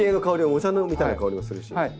お茶みたいな香りがする。